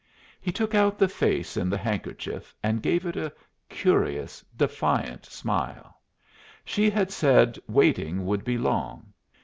He took out the face in the handkerchief, and gave it a curious, defiant smile. She had said waiting would be long.